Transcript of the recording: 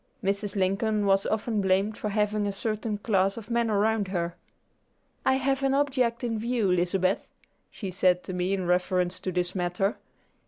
Mrs. Lincoln was often blamed for having a certain class of men around her. "I have an object in view, Lizabeth," she said to me in reference to this matter.